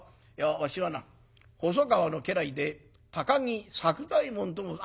わしはな細川の家来で高木作久左右衛門と申す」。